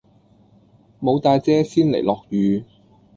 無帶遮先嚟落雨